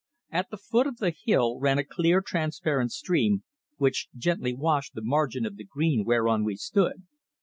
At the foot of the hill ran a clear, transparent stream, which gently washed the margin of the green whereon we stood.